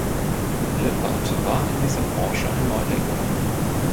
Lippert war in dieser Branche ein Neuling.